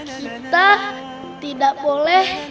kita tidak boleh